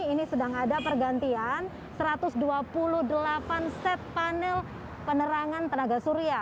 ini sedang ada pergantian satu ratus dua puluh delapan set panel penerangan tenaga surya